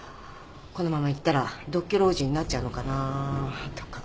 このままいったら独居老人になっちゃうのかなとか。